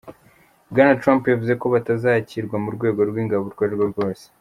Bwana Trump yavuze ko batazakirwa mu rwego rw'ingabo urwo ari rwo rwose.